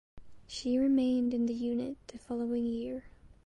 She remained in the unit the following year.